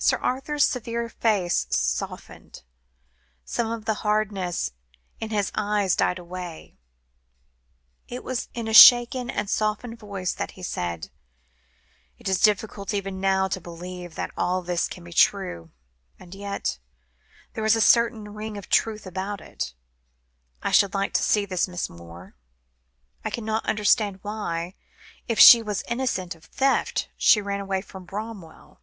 Sir Arthur's severe face softened; some of the hardness in his eyes died away; it was in a shaken and softened voice that he said: "It is difficult even now to believe that all this can be true; and yet there is a certain ring of truth about it. I should like to see this Miss Moore. I cannot understand why, if she was innocent of theft, she ran away from Bramwell."